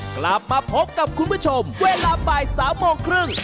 กลับมาพบกับคุณผู้ชมเวลาบ่าย๓โมงครึ่ง